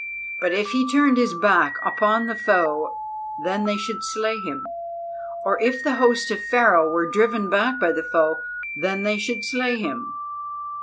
But if he turned his back upon the foe, then they should slay him; or if the host of Pharaoh were driven back by the foe, then they should slay him.